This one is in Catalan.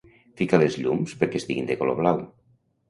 Fica les llums perquè estiguin de color blau.